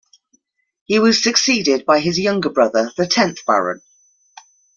He was succeeded by his younger brother, the tenth Baron.